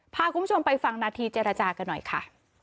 พาคุณผู้ชมไปฟังนาทีเจรจากันหน่อยค่ะ